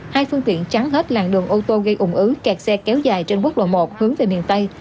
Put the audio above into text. hai phương tiện trắng hết làng đường ô tô gây ủng ứ kẹt xe kéo dài trên quốc lộ một hướng về miền tây